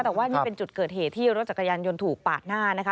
แต่ว่านี่เป็นจุดเกิดเหตุที่รถจักรยานยนต์ถูกปาดหน้านะคะ